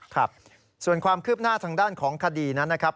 ครับส่วนความคืบหน้าทางด้านของคดีนั้นนะครับ